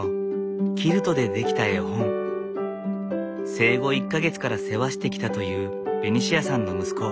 生後１か月から世話してきたというベニシアさんの息子